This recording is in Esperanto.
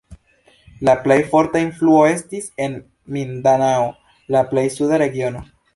La plej forta influo estis en Mindanao, la plej suda regiono.